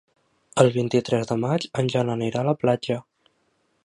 El vint-i-tres de maig en Jan anirà a la platja.